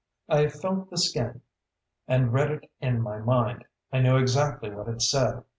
I felt the skin and read it in my mind. I knew exactly what it said.